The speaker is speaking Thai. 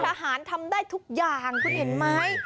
ทำได้ทุกอย่างคุณเห็นไหม